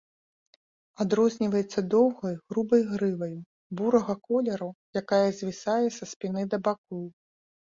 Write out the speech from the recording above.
Адрозніваецца доўгай, грубай грываю, бурага колеру, якая звісае са спіны да бакоў.